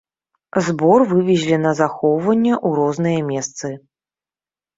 Збор вывезлі на захоўванне ў розныя месцы.